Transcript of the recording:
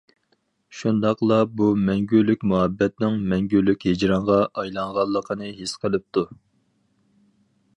شۇنداقلا بۇ مەڭگۈلۈك مۇھەببەتنىڭ مەڭگۈلۈك ھىجرانغا ئايلانغانلىقىنى ھېس قىلىپتۇ.